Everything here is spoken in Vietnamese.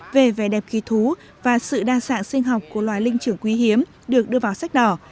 về vẻ đẹp kỳ thú và sự đa dạng sinh học của loài linh trưởng quý hiếm được đưa vào sách đỏ